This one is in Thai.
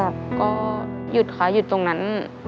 ก็หยุดค่ะหยุดตรงนั้น